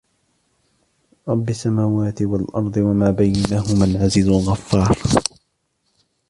رب السماوات والأرض وما بينهما العزيز الغفار